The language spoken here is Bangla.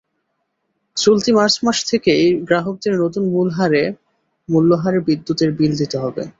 চলতি মার্চ মাস থেকেই গ্রাহকদের নতুন মূল্যহারে বিদ্যুতের বিল দিতে হবে।